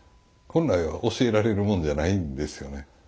本来は教えられるもんじゃないんですよね。